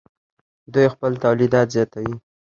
دوی خپل تولیدات زیاتوي.